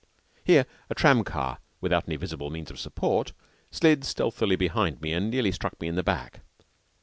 Here a tram car, without any visible means of support, slid stealthily behind me and nearly struck me in the back.